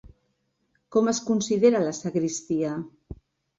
Com es considera la sagristia?